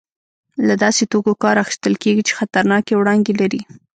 له داسې توکو کار اخیستل کېږي چې خطرناکې وړانګې لري.